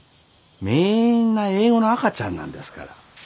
みんな英語の赤ちゃんなんですから。